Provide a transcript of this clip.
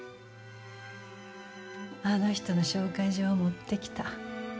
あの人の紹介状を持ってきた。